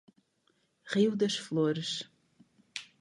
Rio das Flores